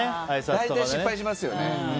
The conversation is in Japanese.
大体、失敗しますよね。